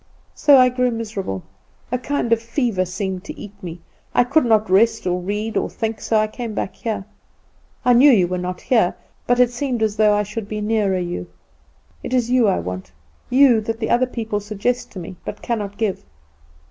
So I grew miserable; a kind of fever seemed to eat me; I could not rest, or read, or think; so I came back here. I knew you were not here but it seemed as though I should be nearer you; and it is you I want you that the other people suggest to me, but cannot give."